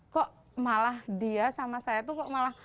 kok malah dia sama saya